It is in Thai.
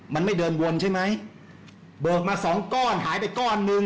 มันไม่เดินวนใช่ไหมเบิกมาสองก้อนหายไปก้อนหนึ่ง